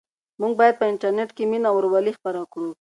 موږ باید په انټرنيټ کې مینه او ورورولي خپره کړو.